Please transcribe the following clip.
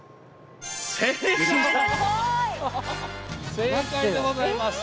正解でございます。